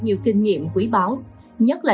nhiều kinh nghiệm quý báo nhất là